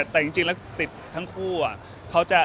แต่จริงแล้วติดทั้งคู่